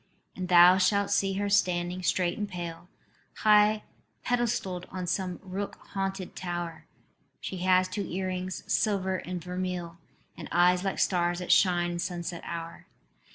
"And thou shalt see her standing straight and pale, High pedestalled on some rook haunted tower: She has two earrings, silver and vermeil, And eyes like stars that shine in sunset hour.